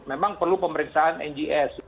memang perlu pemeriksaan ngs